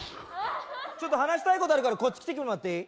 ちょっと話したいことあるからこっち来てもらっていい？